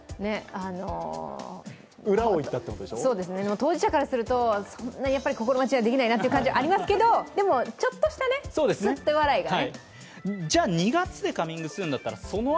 当事者からすると、心待ちにはできないなっていう感じがありますけどでも、ちょっとしたクスっと笑いがね。